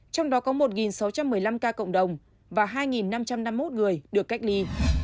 trong đó có một sáu trăm một mươi năm ca cộng đồng và hai năm trăm năm mươi một người được cách ly